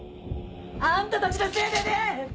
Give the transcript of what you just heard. あんたたちのせいでね！